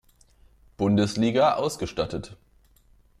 Bundesliga ausgestattet.